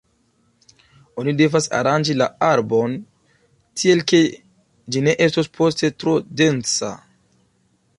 Oni devas aranĝi la arbon tiel, ke ĝi ne estos poste tro densa.